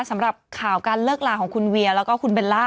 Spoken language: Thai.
สำหรับข่าวการเลิกลาของคุณเวียแล้วก็คุณเบลล่า